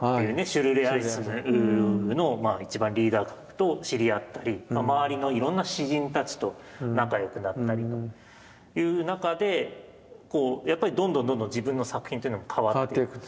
シュルレアリスムの一番リーダー格と知り合ったり周りのいろんな詩人たちと仲良くなったりっていう中でやっぱりどんどんどんどん自分の作品というのも変わっていく。